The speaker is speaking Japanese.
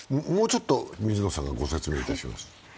もうちょっと水野さんが説明します。